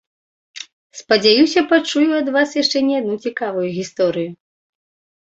Спадзяюся, пачую ад вас яшчэ не адну цікавую гісторыю.